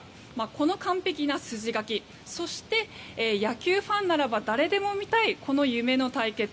この完璧な筋書きそして野球ファンならば誰でも見たい、この夢の対決。